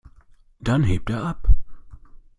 Dann hebt er ab.